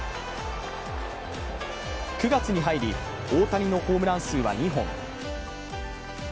９月に入り大谷のホームラン数は２本。